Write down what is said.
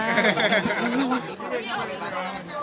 มีคนอื่นอยู่บ้างไหม